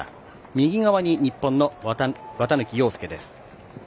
右側に日本の綿貫陽介です。